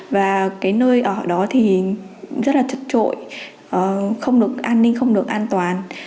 và nơi ở đó rất là trật trội không được an ninh không được an toàn